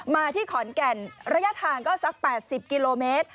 มาที่ขอนแก่นระยะทางก็สัก๘๐กิโลเมตร